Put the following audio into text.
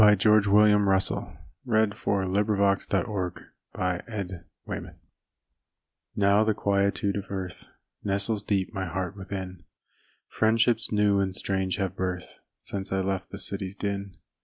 George William Russell ("A.E.") The Hermit Now the quietude of earth Nestles deep my heart within; Friendships new and strange have birth Since I left the city's din.